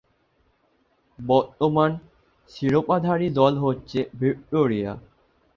বর্তমান শিরোপাধারী দল হচ্ছে ভিক্টোরিয়া।